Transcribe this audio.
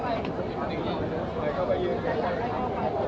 มันเป็นสิ่งที่จะให้ทุกคนรู้สึกว่ามันเป็นสิ่งที่จะให้ทุกคนรู้สึกว่า